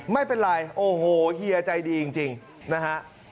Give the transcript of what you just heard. ไม่เป็นไรโอ้โหเฮียใจดีจริงนะฮะ